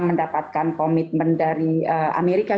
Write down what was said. mendapatkan komitmen dari amerika